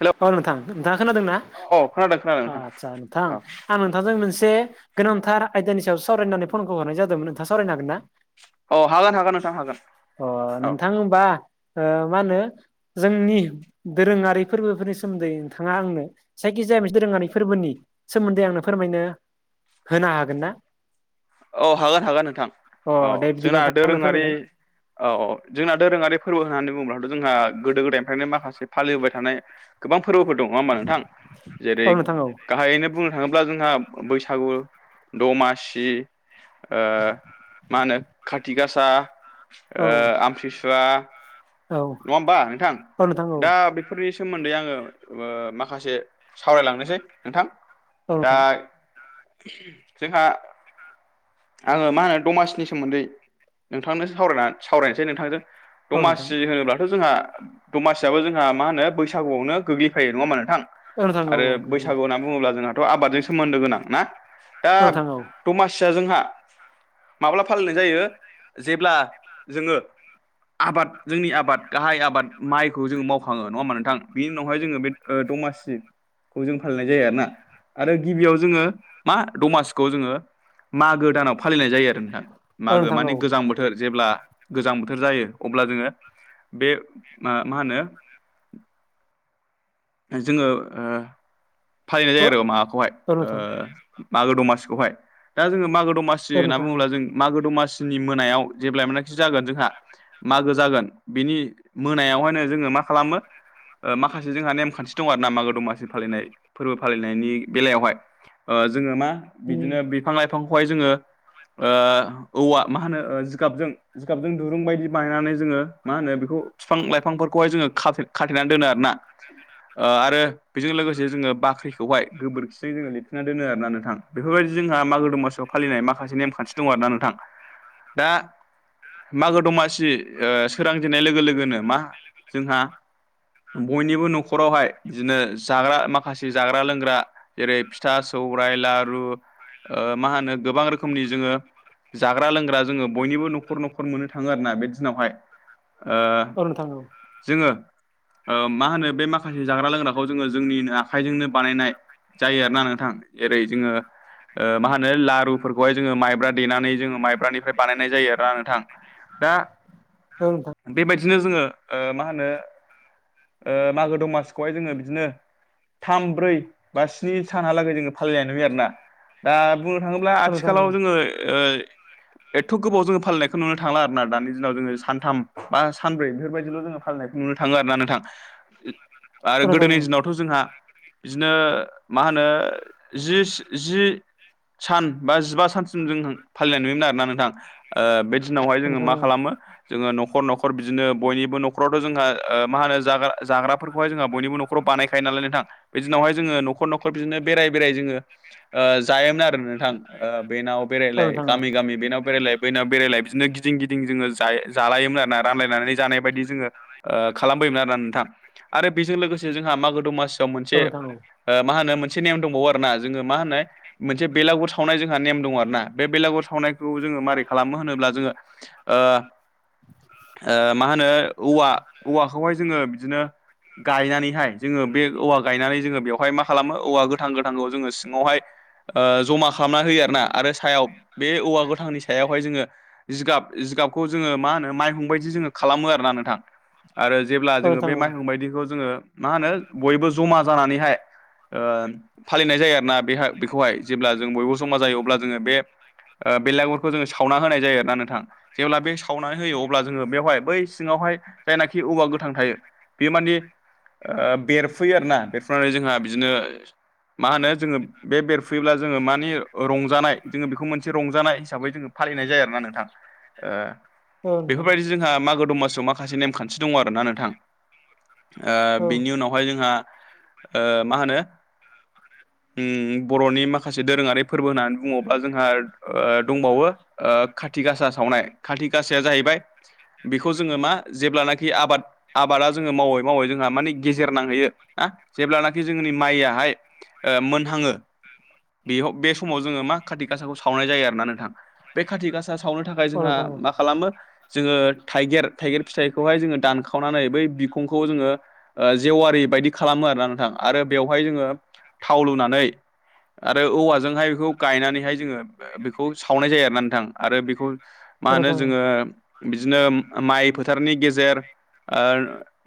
Hello औ नोंथां नोंथाङा खोनादोंना औ खोनादों खोनादों नोंथां आदसा नोंथां औ आं नोंथांजों मोनसे गोनांथार आयदानि सायाव सावरायनानै फनखौ हरनाय जादोंमोन नोंथाङा सावरायनो हागोन ना औ हागोन हागोन नोंथां हागोन अ औ नोंथां होमबा मा होनो जोंनि दोरोङारि फोरबोफोरनि सोमोन्दै नोंथाङा आंनो जायखिजाया मोनसे दोरोङारि फोरबोनि सोमोन्दै आंनो फोरमायनो होनो हागोन ना औ हागोन हागोन नोंथां अ औ दे बिदिब्ला जोंना नोंथां आंनो दोरोङारि फोरमायनाय औ औ जोंना दोरोङारि फोरबो होननानै बुङोब्लाथ' जोंहा गोदो गोदायनिफ्रायनो माखासे फालिबोबाय थानाय गोबां फोरबोफोर दङ नङा होमबा नोंथां जेरै औ नोंथां औ गाहायैनो बुंनो थाङोब्ला जोंहा बैसागु दमासि ओ मा होनो खाथि गासा औ आमथि सुवा औ नङा होमबा नोंथां औ नोंथां औ दा बेफोरनि सोमोन्दै आङो माखासे सावरायलांनोसै नोंथां औ दा नोंथां जोंहा आङो मा होनो दमासिनि सोमोन्दै नोंथांनोसो सावरायना सावरायनोसै नोंथांजों औ नोंथां दमासि होनोब्लाथ' जोंहा दमासियाबो जोंहा मा होनो बैसागुआवनो गोग्लैफायो नङा मा नोंथां औ नोंथां औ आरो औ गोरलैयो बैसागु होनना बुङोब्ला जोंना आबादजों सोमोन्दो गोनां ना दा औ नोंथां औ दमासिया जोंहा माब्ला फालिनाय जायो जेब्ला जोङो आबाद जोंनि आबाद गाहाय आबाद माइखौ जोङो मावखाङो नङा होमा नोंथां बिनि उनावहाय जोङो बे दमासि खौ जों फालिनाय जायो आरोना आरो गिबियाव जोङो मा दमासिखौ जोङो मा गो दानाव फालिनाय जायो आरो नोंथा औ मागो नोंथां औ माने गोजां बो थोर जेब्ला गोजां बोथोर जायो अब्ला जोङो बे मा होनो जोङो फालिनाय औ नोंथां जायो औ आरो माबाखौहाय औ नोंथां मागो दमासिखौहाय दा जोङो मागो दमासि होनना औ बुङोब्ला जों मागो दमासिनि मोनायाव जेब्लाय मानखि जागोन जोंहा मागो जागोन बिनि मोनायावहायनो जोङो मा खालामो माखासे जोंहा नेम खान्थि दं आरो ना मागो दमासि फालिनाय फोरबो फालिनायनि बेलायावहाय जोङो मा बिदिनो बिफां लाइफांखौहाय जोङो औवा मा होनो जिगाबजों जिगाबजों दुरुं बायदि बायनानै जोङो मा होनो बेखौ बिफां लाइफांफोरखौहाय जोङो खा खाथेनानै दोनो आरोना- ओ आरो बेजों लोगोसे जोङो बाख्रिखौहाय गोबोरखिजों जोङो लिरफिना दोनो आरोना नोंथां! बेफोरबायदि जोंहा मागो दमासाव फालिनाय माखासे नेमखान्थि दं आर ना नोंथां दा- मागो दमासि सोरांजेननाय लोगो लोगोनो मा जोंहा बयनिबो न'खरावहाय बिदिनो जाग्रा माखासे जाग्रा लोंग्रा- जेरै फिथा सौरायाइ लारु ओ मा होनो गोबां रोखोमनि जोङो जाग्रा लोंग्रा जोङो बयनिबो न'खर न'खर मोननो थाङो आरो ना बे दिनावहाय ओ औ नोंथां औ जोङो ओ मा होनो बे माखासे जाग्रा लोंग्राखौ जोङो जोंनि आखाइजोंनो बानायनाय- जायो आरोना नोंथां जेरै जोङो ओ मा होनो ला रुफोरखौहाय जोङो माइब्रा देनानै जोङो माइब्रानिफ्राय बानायनाय जायो आरोना नोंथां दा औ नोंथां! बेबायदिनो जोङो ओ मा होनो ओ मागो दमा हाय जोङो बिदिनो थाम ब्रै बा स्नि सानहालागै जोङो फालिनाय नुयो आरोना! दा बुंनो थाङोब्ला औ नोंथां औ आथिखालाव जोङो ओ- एथ' गोबाव जोङो फालिनायखौ नुनो थांला आरोना दानि दिनाव जोङो सानथाम बा सानब्रै बेफोरबायदिल' जोङो फालिनायखौ नुनो थाङो आर ना नोंथां! औ आरो नोंथां गोदोनि औ दिनावथ' जोंहा बिदिनो मा होनो जि सि जि- सान बा जिबा सानसिम जों फालिनाय नुयोमोन आरोना नोंथां ओ बे- नावहाय औ जोङो नोंथां मा औ खालामो जोङो न'खर न'खर बिदिनो बयनिबो न'खरावथ' जोंहा ओ मा होनो जाग्रा जाग्राफोरखौहा इ जोंहा बयनिबो नखाव बानायखायो नाल नोंथां बे दिनावहाय जङो नखर नखर खर बिदिनो बेराय बेराय जोङो ओ जायोमोन आरो नोंथां बेनाव औ बेरायलाय नोंथां औ गामि गामि बेनाव बेरायलाय- बैनाव बेरायलाय बिदिनो गिदिं गिदिं जोङो जायो जालायोमोन आरोना रानलायनानै जानाय बायदि जोङो खालामबोयोमोन आरोना नोंथां! आरो बेजों लोगोसे जोंहा मागो दमासिआव औ मोनसे नोंथां औ मा होनो मोनसे नेम दंबावो आरोना जोङो मा होनो मोनसे बेलागुर सावनाय जोंहा नेम दङ आरो ना! बे बेलागर सावनायखौ जोङो माबारै खालामो होनोब्ला जोङो ओ मा होनो औवा औवाखौहाय जोङो बिदिनो- गायनानैहाय जोङो बे औवा गायनानै जोङो बेवहाय मा खालामो औवा गोथां गोथांखौ जोङो सिङावहाय ओ जमा खालामना होयो आर ना आरो सायाव बे औवा गोथांनि सायावहाय जोङो जिगाब जिगाबखौ जोङो मा होनो माइहंबायायदि जोङो खालामो आरोोना नोंथां आरो जेब्ला औ जोङो नोंथां बे औ माइहंबायायदि बेखौ जोङो मा होनो बयबो जमा जानानैहाय फालिनाय जायो आरोना बे बेखौहाय जेब्ला जों बयबो समा जायो अब्ला जोङो बे ओ बेलागुरखौ जोङो सावना होनाय जायो आर ना नोंथां! जेब्ला बे सावनानै होयो अब्ला जोङो बेवहाय बै सिङावहाय जायनाखि औवा गोथां थायो- बे माने ओ बेरफैयो आरोना बेरफुनानै जोंहा बिदिनो मा होनो जोङो बे बेर फुयोब्ला जोङो मानि रंजानाय जोङो बेखौ मोनसे रंजानाय हिसाबै जोङो फालिनाय जायो आरोना नोंथां! ओ औ थां! बेफोरबायदि जोंहा मागो दमाससिआव माखासे नेमखान्थि दङ आरो ना नोंथां! ओ औ बिनि उनावहाय जोंहा ओ मा होनो ओ बर'नि माखासे दोरोङारि फोरबो होननानै बुङोब्ला जोंहा दंबावो! ओ खाथि गासा सावनाय खाथि गाासाया जाहैबाय बेखौ जोङो मा जेब्लानाखि आबाद आबादा जोङो मावो माव जोंहा माने गेजेर नांहैयो ना जेब्लानाखि जोंनि माइयाहाय मोनहाङो बेयाव बे समाव जोङो मा खाथि गासाखौ सावनाय जायो आरो ना नोंथां। बे खाथि गासा सावनो थाखाय जोंहा नोंथां औ नोंथां मा खालामो जोङो थाइगिर थाइगिर फिथाइखौ हाइ जोंओ दनखावनानै बै बिखं खौ जोङो जेवारि बायदि खालामो आरोना नोंथां आरो बेवहाय जोङो थाव लुनानै आरो औवाजोंहाय बेखौ गायनानैहाय जोङो बेखौ सावनाय जायो आरोना नोंथां। आरो बेखौ मा होनो औ जोङो बिदिनो माइ फोथारनि गेजेर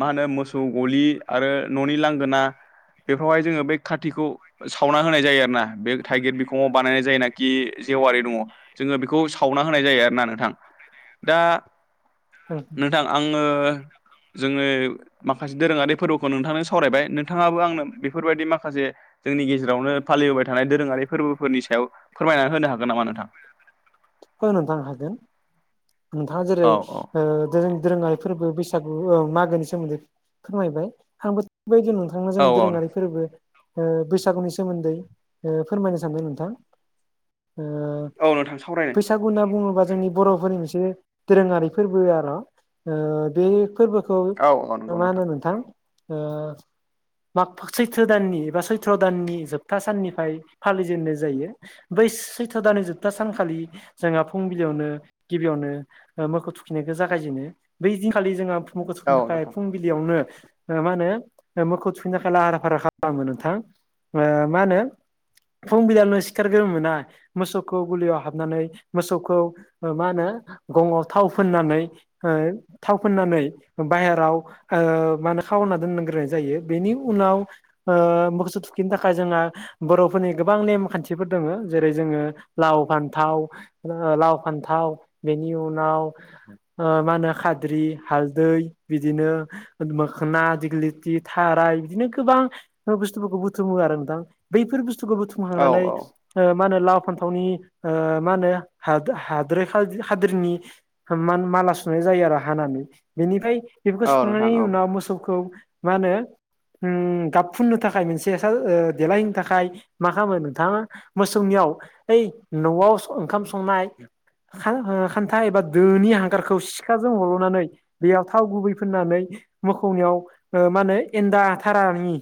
मा होनो मोसौ गलि आरो न'नि लांगोना बेफ्रावहाय जोङो बै खातखौ सावना होनाय जायो आरोना। बे थाइगिर बिखङाव बानायनाय जायोनाखि जेवारि दङ जोङो बेखौ सावना होनाय जायो आरोना नोंथां। दा नोंथां आङो जोंनि माखासे दोरोङारि फोरबोखौ नोंथांजों सावरायबाय नोंथाङाबो आंनो बेफोरबायदि माखासे जोंनि गेजेरावनो फालिबोबाय थानाय दोरोङारि फोरबोफोरनि सायाव फोरमायनानै होनो हागोन नामा नोंथां? औ नोंथां हागोन नोंथाङा जेरै औ औ ओ दोरोङारि फोरबो बैसागु मागोनि सोमोन्दै फोरमायबाय [unintelligible] बो बायदि नोंथां औ जोंनि औ दोरोङारि फोरबो ओ बैसागुनि सोमोन्दै ओ फोरमायनो सानदों नोंथां। ओ औ नोंथां सावराय बैसागु होनना बुङोबा जोंनि बर'फोरनि मोनसे दोरोङारि फोरबो आर'। ओ बे फोरबोखौ औ औ नंगौ मा होनो नोंथां ओ माग सैथ्र दाननि एबा सैथ्र' दाननि जोबथा साननिफ्राय फालिजेननाय जायो। बै सैथ' दाननि जोबथा सानखालि जोंहा फुंबिलियावनो गिबियावनो मोखौ थुखिनायखौ जागायजेनो बै दिनखालि जोंहा फुं मोखौ औ थुखिनो थाखाय नोंथां फुं बिलियावनो ओ मा होनो मोखौ थुखैनो थाखाय लाहारा फाहारा खालामो नोंथां ओ मा होनो फुंबिदाननो सिखारग्रोमोना मोसौखौ गुलियाव हाबनानै मोसौखौ ओ मा होनो गङआव थाव फोननानै ओ थाव फोननानै बाहेराव ओ मा होने खावना दोनग्रोनाय जायो बेनि उनाव ओ मोखोसौ थुखिनो थाखाय जोंना बर'फोरनि गोबां नेम खान्थिफोर दङो। जेरै जोङो लाव फान्थाव लाव फान्थाव बेनि उनाव ओ मा होनो खाद्रि हालदै बिदिनो मोखोना दिग्लिथि थाराय बिदिनो गोबां बुस्थुफोरखौ बुथुमो नोंथां। बफोर बुथुखौ बुथु औ मखांनानै औ ओ मा होनो लाव फान्थावनि ओ मा होनो हादो- हादोरै खा-खाद्रिनि मान- माला सुनाय जायो आरो हानानै बेनिफ्राय बेफोरखौ औ नोंथां सुखांनायनि औ उनाव मोसौखौ मा होनो ओम गाब फुननो थाखाय मोनसे सा- ओदेलायहनो थाखाय मा खालामो नोंथाङा मोसौनियाव ओइ न'आव स- ओंखाम संनाय खान- ओ खान्था एबा दोनि हांगारखौ सिखाजों हल'नानै बेयाव थाव गुबै फिनानै मोखौनियाव ओ मा होनो एनन्दा थारानि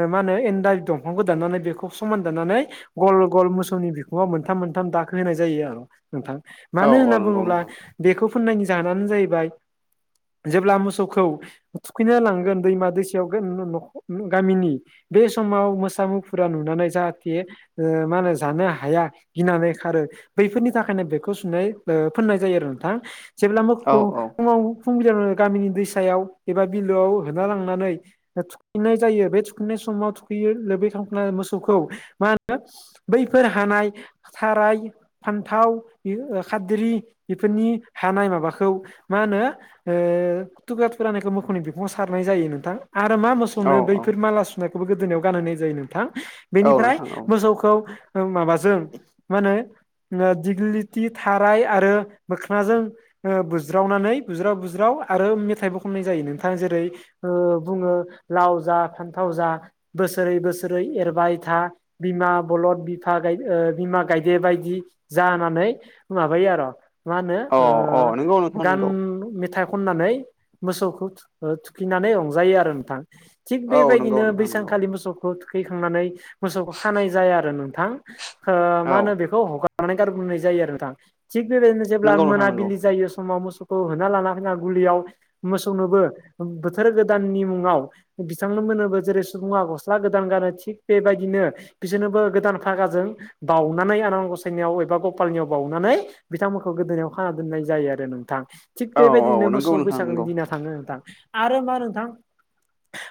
ओ मा होनो एन्न्दा दंफांखौ दाननानै बेखौ समान दाननानै गल गल मोसौनि बिखङाव मोनथाम मोनथाम दाखो होनाय जायो आरो नोंथां। औ मानो औ होनना नंगौ बुङोब्ला नोंथां बेखौ फोननायनि जाहोनानो जाहैबाय जेब्ला मोसौखौ थुखैना लांगोन दैमा दैसायाव गोन-गोन-न नख- गामिनि बे समाव मोसा मुफुरा नुनानै जाहाथे ओ मा होनो जानो हाया गिनानै खारो बैफोरनि थाखायनो बेखौ सुनाय ओ फोननाय जायो आरो नोंथां जेब्ला औ मोखौ औ फुङाव सुंबिदा गामिनि दैसायाव एबा बिलोआव होना लांनानै थुखैनाय जायो बे थुखैनाय समाव थुखैयो लोबै खालामखांनानै मोसौखौ मा होनो बैफोर हानाय थाराय फान्थाव इ- ओ खारादै बेफोरनि हानाय माबाखौ मा होनो ओ थुख्रा थुरानिखौ मोखौनि बिफङाव सारनाय जायो नोंथां आरो मा म औ सौनो बैफोर माला सुनायखौबो गोदोनायाव गानहनाय जायो नोंथां औ बेनिफ्राय नोंथां औ मोसौखौ माबाजों मा होनो दिग्लिथि थाराय आरो मोखोनाजों ओ बुज्रावनानै बुज्राव बुज्राव आरो मेथाइबो खननाय जायो नोंथां जेरै ओ बुङो लाव जा फान्थाव जा बोसोरै बोसोरै एरबाय था बिमा बलद बिफा गाय बिमा गायदे बायदि जानानै माबायो आरो' मा होनो औ ओ औ नंगौ नोंथां गान नंगौ मेथाइ खननानै मोसौखौ ओ थुखैनानै रंजायो आरो नोंथां थिग औ नंगौ बेबायदिनो नोंथां नंगौ बैसांखालि मोसौ थुखैखांनानै मोसौ खानाय जाया आरो नोंथां ओ‌ औ मा होनो बेखौ हगार गारनानै गारबोनाय जायो आरो नोंथां थिग बेबादिनो जेब्ला नंगौ नोंथां नंगौ मोनाबिलि जायो समाव मोसौ होना लाना होना गुलिआव मोसौनोबो बोथोर गोदाननि मुङाव बिथांनो मोनोबो जेरै सुबुङा गस्ला गोदान गानो थिग बेबायदिनो बिसोरनोबो गोदान फागाजों बावउनानै आन ग'साइ नियाव एबा गपालनियाव बावनानै बिथांमोनखौ गोदोनायाव खाना दोननाय जायो आरो नोंथां थिग औ औ बेबादिनो मोसौ नंगौ नोंथां बैसागोनि नंगौ दिना थाङो नोंथां आरो मा नोंथां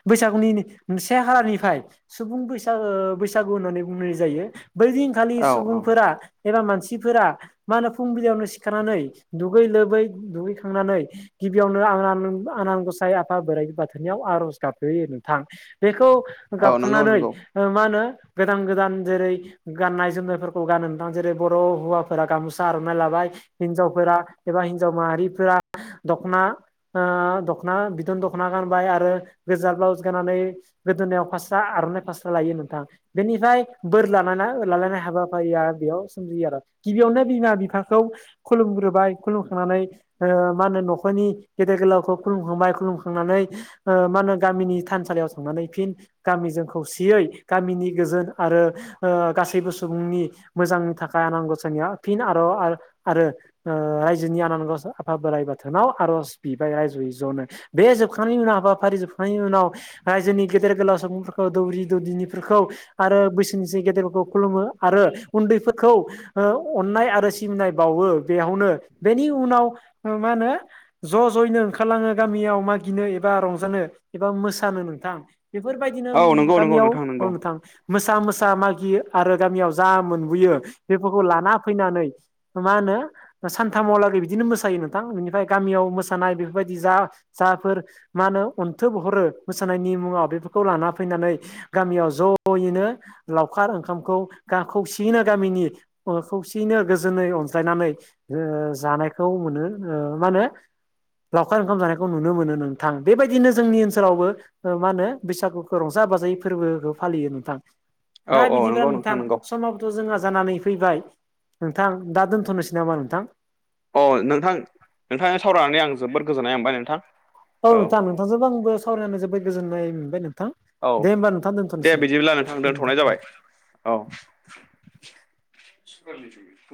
बैसागुनि से खालारनिफ्राय सुबुं बैसाग बैसागु होननानै बुंनाय जायो बै दिनखालि औ औ सुबुंफोरा एबा मानसिफोरा मा होनो फुंबिलिआवनो सिखारानानै दुगै लोबै दुगैखांनानै गिबिआवनो आनान आनान गसाइ आफा बोराइ बाथोननिआव आर'ज गाबहोयो नोंथां बेखौ' औ नंगौ गाबखांनानै नंगौ ओ मा होनो गोदान गोदान जेरै गाननाय जोमनायफोरखौ गानो जेरै बर' हौवाफोरा गाम'सा आर'नाइ लाबाय हिनजावफोरा एबा हिनजाव माहारिफोरा दख'ना ओ‌ दख'ना बिदन दख'ना गानबाय आरो गोजा ब्लाउस गाननानै गोदोनायाव फास्रा आर'नाइ फास्रा लायो नोंथां बेनिफ्राय बोर ला लालायनाय हाबाफारिया बेयाव सोमजियो आरो गिबिआवनो बिमा बिफाखौ खुलुमग्रोबाय खुलुमखांनानै ओ मा होनो न'खरनि गेदेर गोलावखौ खुलुमखांबाय खुलुमखांनानै ओ मा होनो गामिनि थानसालियाव थांनानै फिन गामिजों खौसेयै गामिनि गोजोन आरो ओ गासैबो सुबुंनि मोजांनि थाखाय आनान गसानिआव फिन आरो आरो ओ रायजोनि आनानगसाय आफा बोराइ बाथोनाव आर'ज बिबाय रायजोयै ज'नो बे जोबखांनायनि उनाव हाबाफारि जोबखांनायनि उनाव रायजोनि गेदेर गोलाव सुबुंफोरखौ दौरि दौदिनिफोरखौ आरो बैसोनिसो गेदेरफोरखौ खुलुमो आरो उन्दैफोरखौ ओ अननाय आरो सिबिनाय बावो बेआवनो बेनि उनाव मा होनो ज' ज'यैनो ओंखारलाङो गामिआव मागिनो एबा रंजानो एबा मोसानो नोंथां बेफोरबादिनो औ उम नंगौ नंगौ गामिआव औ नंगौ नोंथां मोसा मोसा मागि आरो गामिआव जा मोन फैयो बेफोरखौ लाना फैनानै मा होनो सानथामहलागै बिदिनो मोसायो नोंथां बिनिफ्राय गामिआव मोसानाय बेफोरबादि जा जाफोर मा होनो अन्थोब हरो मोसानायनि मुङाव बेफोरखौ लाना फैनानै गामिआव जयैनो लावखार ओंखामखौ खौसेयैनो गामिनि खौसेयैनो गोजोनै अनज्लायनानै ओ जानायखौ मोनो ओ मा होनो लावखार ओंखाम जानायखौ नुनो मोनो नोंथां बेबायदिनो जोंनि ओनसोलावबो ओ मा होनो बैसागुखौ रंजा बाजायै फोरबोखौ फालियो नोंथां औ दा औ बिदिब्ला नंगौ नोंथां नंगौ समाव थ' जोंहा जानानै फैबाय नोंथां दा दोन्थ'नोसै नामा नोंथां? अ नोंथां नोंथांजों सावरायनानै आं जोबोद गोजोननाय मोनबाय नोंथां औ नोंथां नोंथांजोंबो आंबो सावरायनानै जोबोद गोजोन्नाय मोनबाय नोंथां औ दे होमबा नोंथां दोन्थ' दे बिदिब्ला नोंथां दोनथ'नाय जाबाय औ